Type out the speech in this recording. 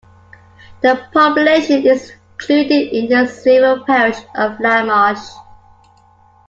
The population is included in the civil parish of Lamarsh.